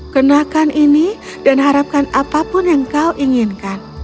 kenakan ini dan harapkan apapun yang kau inginkan